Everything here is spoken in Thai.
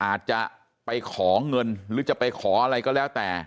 อาจจะไปขอเงินหรือจะไปขออะไรก็แล้วแต่